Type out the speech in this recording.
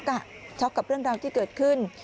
ก็ช็อกกับเรื่องราวที่เกิดขึ้น